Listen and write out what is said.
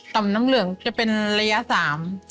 ต่ำน้ำเหลืองจะเป็นระยะ๓